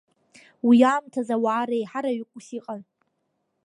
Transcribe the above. Уи аамҭазы ауаа реиҳараҩык ус иҟан.